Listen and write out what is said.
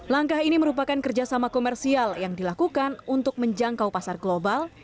langkah ini merupakan kerjasama komersial yang dilakukan untuk menjangkau pasar global